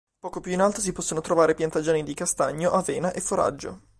Poco più in alto si possono trovare piantagioni di castagno, avena e foraggio.